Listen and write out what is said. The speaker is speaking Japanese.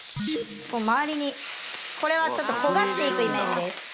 これはちょっと焦がしていくイメージです。